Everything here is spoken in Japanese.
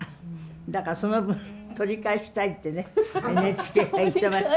だからその分取り返したいってねＮＨＫが言ってました。